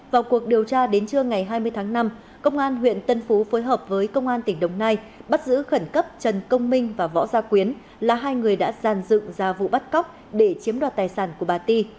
vào cuộc điều tra đến trưa ngày hai mươi tháng năm công an huyện tân phú phối hợp với công an tỉnh đồng nai bắt giữ khẩn cấp trần công minh và võ gia quyến là hai người đã giàn dựng ra vụ bắt cóc để chiếm đoạt tài sản của bà ti